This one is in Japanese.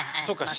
そう。